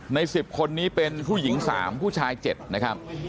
ใน๑๐คนนี้เป็นผู้หญิง๓ผู้ชาย๗นะครับ